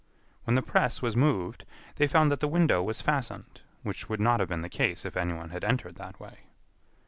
When the press was moved, they found that the window was fastened, which would not have been the case if anyone had entered that way.